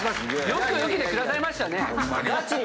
よく受けてくださいましたね。